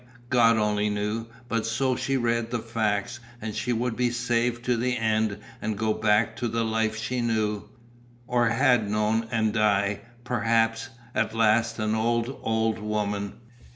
God only knew, but so she read the facts, and she would be saved to the end and go back to the life she knew, or had known and die, perhaps, at last an old, old woman.